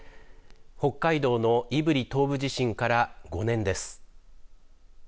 北海道の胆振東部地震から５年です。